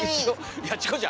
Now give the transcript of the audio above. いやチコちゃん